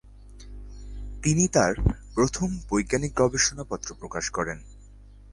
তিনি তাঁর প্রথম বৈজ্ঞানিক গবেষণা পত্র প্রকাশ করেন।